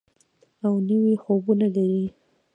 او نوي خوبونه لري.